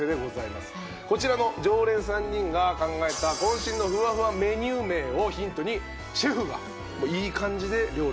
こちらの常連３人が考えた渾身のふわふわメニュー名をヒントにシェフがいい感じで料理してくれるという。